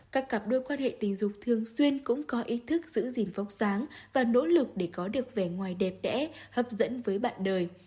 các cặp đôi quan hệ tình dục thường xuyên cũng có ý thức giữ gìn vóc sáng và nỗ lực để có được vẻ ngoài đẹp đẽ hấp dẫn với bạn đời